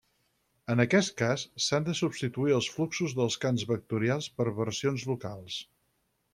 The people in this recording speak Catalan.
En aquest cas, s'han de substituir els fluxos dels camps vectorials per versions locals.